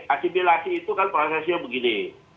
asimilasi itu kan prosesnya begini